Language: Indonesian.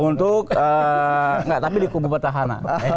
untuk tapi di kubu petahana